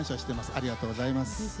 ありがとうございます。